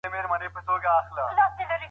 تر ناپایه